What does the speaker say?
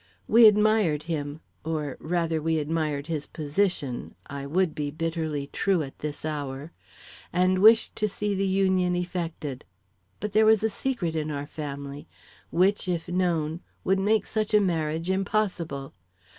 We admired him or rather we admired his position (I would be bitterly true at this hour) and wished to see the union effected. But there was a secret in our family, which if known, would make such a marriage impossible.